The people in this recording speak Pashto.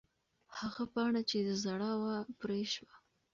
هغه پاڼه چې زړه وه، پرې شوه.